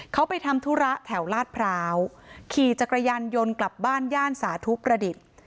เขาไปทำธุระแถวลาดพร้าวขี่จักรยานยนต์กลับบ้านย่านสาธุประดิษฐ์